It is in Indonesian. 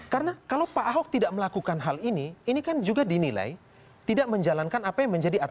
karena kalau pak ahok tidak melakukan hal ini ini kan juga dinilai tidak menjalankan apa yang menjalankan